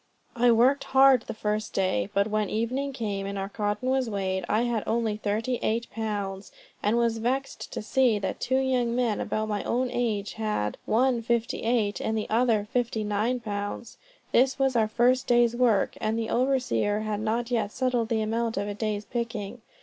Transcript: I worked hard the first day, but when evening came, and our cotton was weighed, I had only thirty eight pounds, and was vexed to see that two young men, about my own age, had, one fifty eight, and the other fifty nine pounds. This was our first day's work, and the overseer had not yet settled the amount of a day's picking.